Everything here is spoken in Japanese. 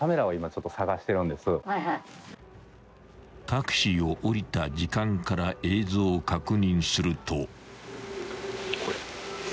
［タクシーを降りた時間から映像を確認すると］